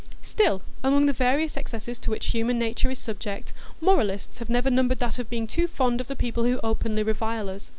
Still, among the various excesses to which human nature is subject, moralists have never numbered that of being too fond of the people who openly revile us.